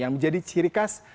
yang menjadi ciri khas